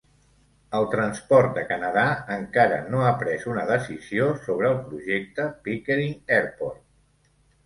El transport de Canadà encara no ha pres una decisió sobre el projecte Pickering Airport.